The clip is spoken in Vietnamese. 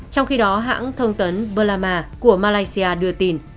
trong khi đó hãng thông tấn blama của malaysia đưa tin